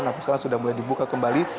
tapi sekarang sudah mulai dibuka kembali